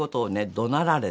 どなられた。